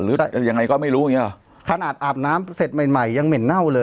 ยังไงก็ไม่รู้อย่างเงี้หรอขนาดอาบน้ำเสร็จใหม่ใหม่ยังเหม็นเน่าเลย